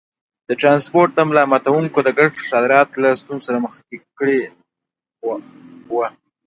د ټرانسپورټ ملا ماتوونکي لګښت صادرات له ستونزو سره مخ کړي وو.